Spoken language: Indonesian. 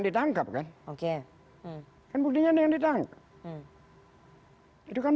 tidak ada yang ditangkap kan